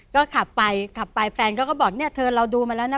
ก็ขับไปแฟนก็บอกเนี่ยเธอเราดูมาแล้วนะ